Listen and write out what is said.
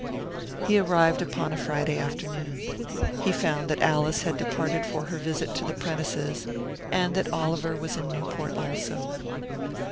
He arrived upon a Friday afternoon. He found that Alice had departed for her visit to the Prentices', and that Oliver was in Newport, also.